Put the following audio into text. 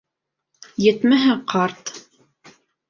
Етмәһә, ҡарт.